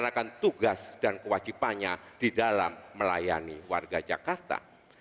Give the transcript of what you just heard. melaksanakan tugas dan kewajibannya di dalam melayani warga jakarta